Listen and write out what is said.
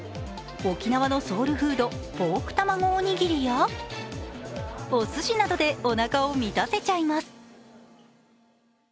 沖縄のソウルフード、ポークたまごおにぎりやおすしなどでおなかを満たせちゃいます。